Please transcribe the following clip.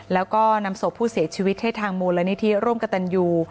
แล้วก็นำศพผู้เสียชีวิตให้ทางมูลนิธิร่วมกับตันยู